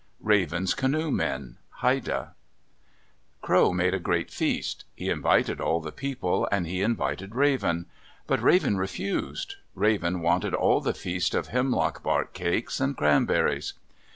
RAVEN'S CANOE MEN Haida Crow made a great feast. He invited all the people, and he invited Raven. But Raven refused. Raven wanted all the feast of hemlock bark cakes and cranberries.